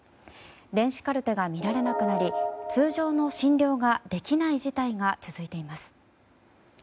電子カルテが見られなくなり通常の診療ができない事態が続いています。